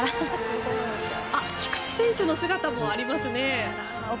菊池選手の姿もありますね。